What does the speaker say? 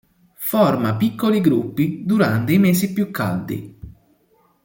Forma piccoli gruppi durante i mesi più caldi.